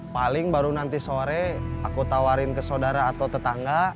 paling baru nanti sore aku tawarin ke saudara atau tetangga